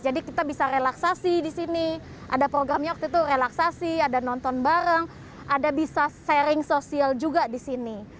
jadi kita bisa relaksasi di sini ada programnya waktu itu relaksasi ada nonton bareng ada bisa sharing sosial juga di sini